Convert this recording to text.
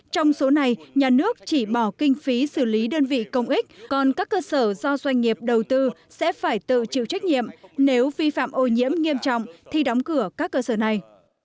trong số này nhà nước chỉ bỏ kinh phí xử lý đơn vị công ích còn các cơ sở do doanh nghiệp đầu tư sẽ phải tự chịu trách nhiệm nếu vi phạm ô nhiễm nghiêm trọng thì đóng cửa các cơ sở này